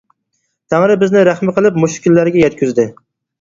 تەڭرى بىزگە رەھمى قىلىپ مۇشۇ كۈنلەرگە يەتكۈزدى.